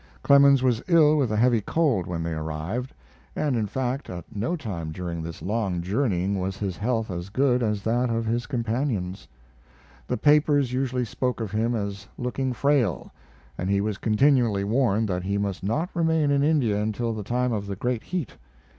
Clemens was ill with a heavy cold when they arrived; and in fact, at no time during this long journeying was his health as good as that of his companions. The papers usually spoke of him as looking frail, and he was continually warned that he must not remain in India until the time of the great heat.